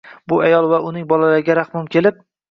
Bu ayol va uning bolalariga rahmim kelib